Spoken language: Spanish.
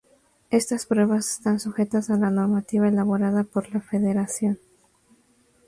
Estas pruebas están sujetas a la normativa elaborada por la Federación.